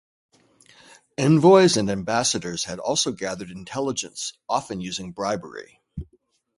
Envoys and ambassadors had also gathered intelligence, often using bribery.